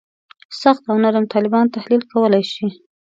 سخت او نرم طالبان تحلیل کولای شو.